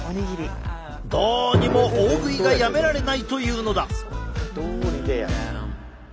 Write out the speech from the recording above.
どうにも大食いがやめられないというのだ。